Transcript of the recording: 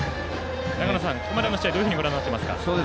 長野さん、ここまでの試合どういうふうにご覧になってますか。